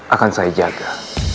akan saya jaga